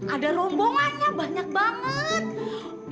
ada rombongannya banyak banget